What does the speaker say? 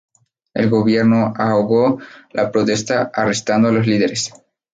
El gobierno ahogó la protesta arrestando a los líderes.